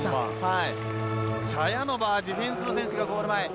チャヤノバーディフェンスの選手がゴール前。